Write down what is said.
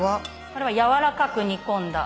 これは軟らかく煮込んだ。